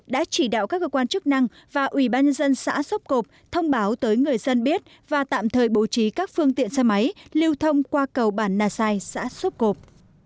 đã chỉ đạo các cơ quan chức năng và ủy ban dân xã sốc cộp thông báo tới người dân biết và tạm thời bổ trí các phương tiện xe máy lưu thông qua cầu bản nà sai xã sốc cộp